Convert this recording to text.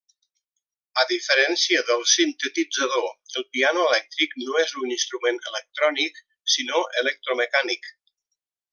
A diferència del sintetitzador, el piano elèctric no és un instrument electrònic, sinó electromecànic.